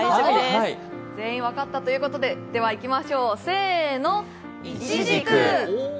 全員分かったということで、いきましょう、せーの。